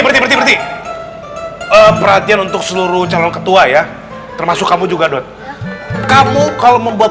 berarti berarti perhatian untuk seluruh calon ketua ya termasuk kamu juga kamu kalau membuat